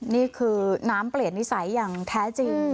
นี่คือน้ำเปลี่ยนนิสัยอย่างแท้จริง